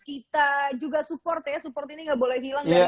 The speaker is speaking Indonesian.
kita juga support ya support ini nggak boleh hilang ya